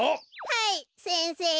はい先生。